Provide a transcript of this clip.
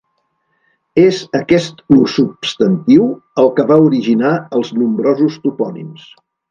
És aquest ús substantiu el que va originar els nombrosos topònims.